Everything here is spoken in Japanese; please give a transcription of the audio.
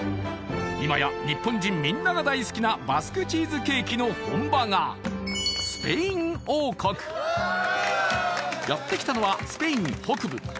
今や日本人みんなが大好きなバスクチーズケーキの本場がやってきたのはスペイン北部